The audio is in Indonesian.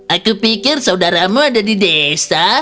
aku pikir saudaramu ada di desa